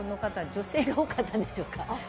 女性が多かったんでしょうか。